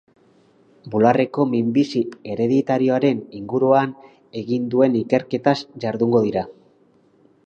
Bularreko minbizi hereditarioaren inguruan egin duen ikerketaz jardungo dira.